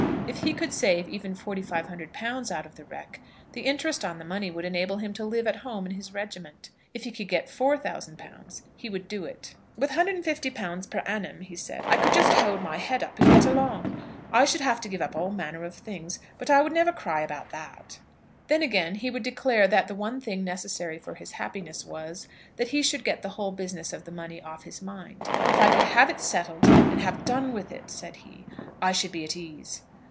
If he could save even £4500 out of the wreck, the interest on the money would enable him to live at home in his regiment. If he could get £4000 he would do it. "With £150 per annum," he said, "I could just hold my head up and get along. I should have to give up all manner of things; but I would never cry about that." Then, again, he would declare that the one thing necessary for his happiness was, that he should get the whole business of the money off his mind. "If I could have it settled, and have done with it," said he, "I should be at ease."